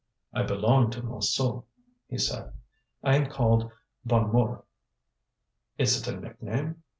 "I belong to Montsou," he said, "I am called Bonnemort." "Is it a nickname?"